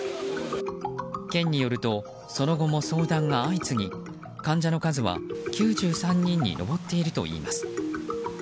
県によるとその後も相談が相次ぎ患者の数は９３人に上っているといいます。